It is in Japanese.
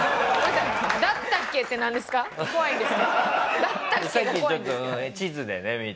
さっきちょっと地図でね見て。